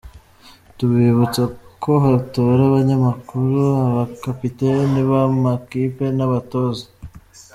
Tubibutse ko hatora abanyamakuru, aba kapiteni b’abamakipe n’abatoza.